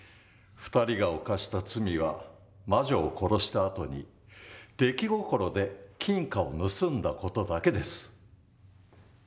２人が犯した罪は魔女を殺したあとに出来心で金貨を盗んだ事だけです。